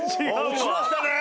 落ちましたね。